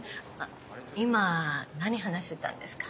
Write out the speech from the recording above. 今何話してたんですか？